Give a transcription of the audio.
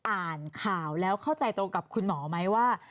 อ่านข่าวแล้วเข้าใจตรงกับคุณหมอไหมว่า